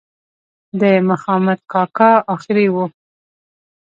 د مخامد کاکا آخري وه.